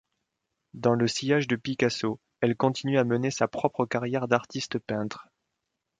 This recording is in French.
Dans le sillage de Picasso, elle continue à mener sa propre carrière d'artiste peintre.